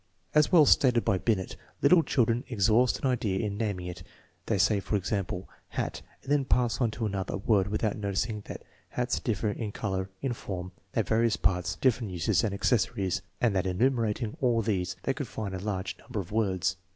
As well stated by Binet, " Little children exhaust an idea in naming it. They say, for example, hat, and then pass on to another word without noticing that hats differ in color, in form, have various parts, different uses and accessories, and that in enumerating all these they could find a large number of words."